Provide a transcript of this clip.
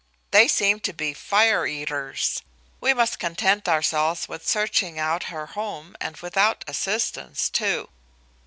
They seem to be fire eaters. We must content ourselves witch searching out her home and without assistance, too.